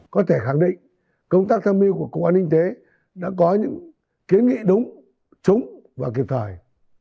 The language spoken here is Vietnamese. có thể khẳng định công tác tham mưu của công an ninh kế đã có những kiến nghị đúng trúng và kịp thời